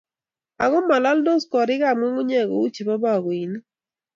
ago malaldos korik ap ng'ung'unyek kou chekibo pakoinik.